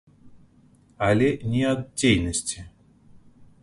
Але не ад дзейнасці.